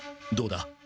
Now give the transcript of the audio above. どうだ？